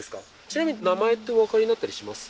ちなみに名前っておわかりになったりします？